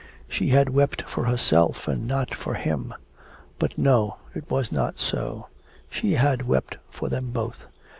She had wept for herself and not for him! But no, it was not so; she had wept for them both.